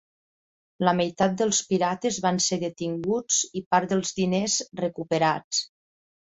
La meitat dels pirates van ser detinguts i part dels diners recuperats.